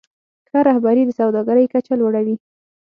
ښه رهبري د سوداګرۍ کچه لوړوي.